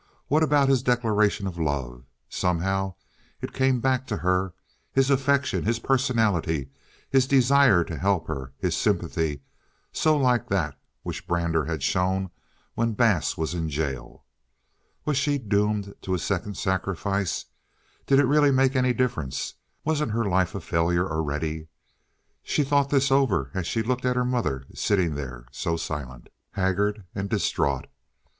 What about his declaration of love? Somehow it came back to her—his affection, his personality, his desire to help her, his sympathy, so like that which Brander had shown when Bass was in jail. Was she doomed to a second sacrifice? Did it really make any difference? Wasn't her life a failure already? She thought this over as she looked at her mother sitting there so silent, haggard, and distraught.